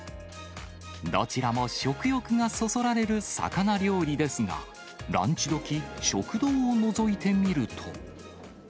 どちらも食欲がそそられる魚料理ですが、ランチどき、食堂をのぞいてみると。